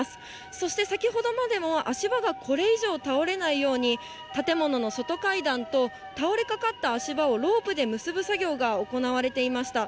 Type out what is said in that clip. そして先ほどまでも、足場がこれ以上倒れないように、建物の外階段と倒れかかった足場をロープで結ぶ作業が行われていました。